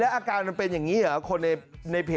แถลงการแนะนำพระมหาเทวีเจ้าแห่งเมืองทิพย์